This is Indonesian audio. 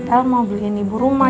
kalau mau beliin ibu rumah